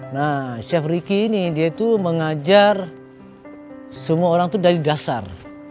nah chef ricky ini dia itu mengajar semua orang itu dari dasar